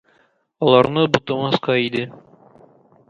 Аларны бутамаска иде.